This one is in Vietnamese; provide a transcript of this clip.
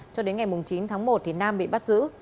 cho đến ngày chín tháng một thì nam bị bắt giữ